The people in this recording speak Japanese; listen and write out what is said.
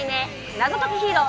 「謎ときヒーロー」